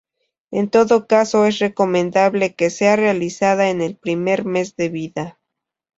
En todo caso es recomendable que sea realizada en el primer mes de vida.